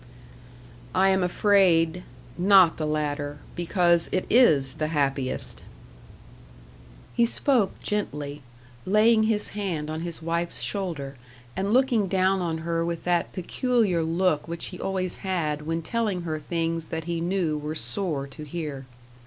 "I am afraid, NOT the latter, because it IS the happiest." He spoke gently, laying his hand on his wife's shoulder, and looking down on her with that peculiar look which he always had when telling her things that he knew were sore to hear.